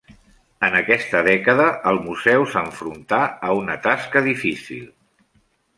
En aquesta dècada el Museu s'enfrontà a una tasca difícil.